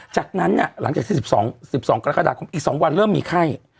จากนั้นหลังจากที่๑๒กรกฎาคมอีก๒วันเริ่มมีไข้